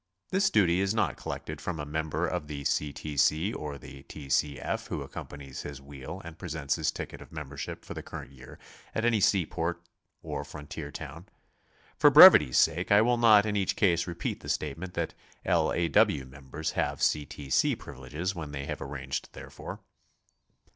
This duty is not collected from a member of the C. T. C. or the T. C. F. who accompanies his wheel and presents his ticket of membership for the current year at any seaport or frontier town. (For brevity's sake I will not in each case repeat the statement that L. A. W. members have C. T. C. privileges when they have arranged therefor.)